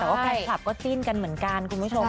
แต่ว่าแฟนคลับก็จิ้นกันเหมือนกันคุณผู้ชม